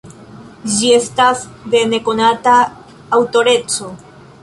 Ĝi estas de nekonata aŭtoreco.